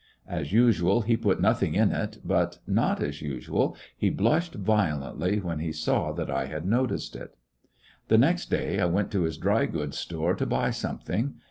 As usual, he put nothing in it, but, not as usual, he blushed violently when he saw that I had noticed it. The next day I went to his dry goods store to buy something.